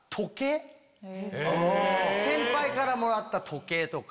先輩からもらった時計とか。